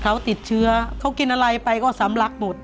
เขาติดเชื้อเขากินอะไรไปก็สำลักหมด